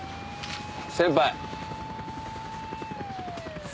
先輩。